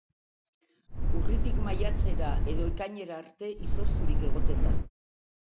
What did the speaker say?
Urritik maiatzera edo ekainera arte izozturik egoten da.